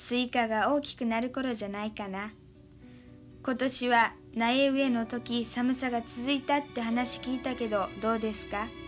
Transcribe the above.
今年は苗植えの時寒さが続いたって話聞いたけどどうですか。